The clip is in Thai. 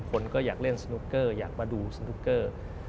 คนก็อยากเล่นสนุกเกอร์อยากมาดูสนุกเกอร์